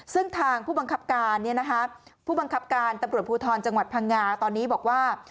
ซึ่งทางผู้บังคับการตภูทรจังหวัดพังงาตอนนี้บอกว่า